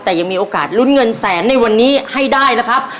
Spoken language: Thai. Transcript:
แต่ยังมีโอกาสลุ้นเงินแสนในวันนี้ให้ได้นะครับ